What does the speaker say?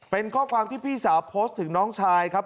เป็นข้อความที่พี่สาวโพสต์ถึงน้องชายครับ